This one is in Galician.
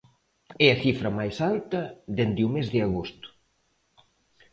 É a cifra máis alta dende o mes de agosto.